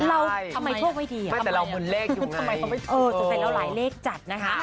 ใช่เราทำไมโชคไม่ดีไม่แต่เราบนเลขอยู่ไหนเออสังเกตแล้วหลายเลขจัดนะฮะ